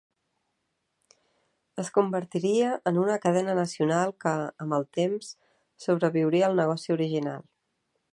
Es convertiria en una cadena nacional que, amb el temps, sobreviuria al negoci original.